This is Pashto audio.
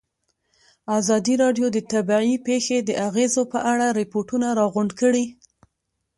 ازادي راډیو د طبیعي پېښې د اغېزو په اړه ریپوټونه راغونډ کړي.